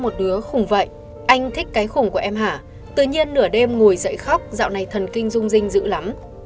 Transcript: tự nhiên nửa đêm ngồi dậy khóc dạo này thần kinh rung rinh dữ lắm